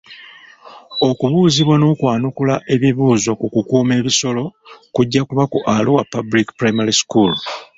Okubuuzibwa n'okwanukula ebibuuzo ku kukuuma ebisolo kujja kuba ku Arua public primary school.